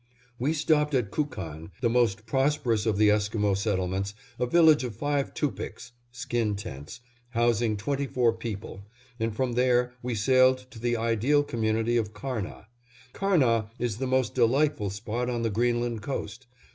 We stopped at Kookan, the most prosperous of the Esquimo settlements, a village of five tupiks (skin tents), housing twenty four people, and from there we sailed to the ideal community of Karnah. Karnah is the most delightful spot on the Greenland coast.